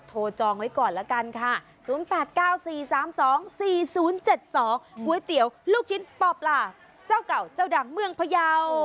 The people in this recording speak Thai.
จองไว้ก่อนละกันค่ะ๐๘๙๔๓๒๔๐๗๒ก๋วยเตี๋ยวลูกชิ้นปลาเจ้าเก่าเจ้าดังเมืองพยาว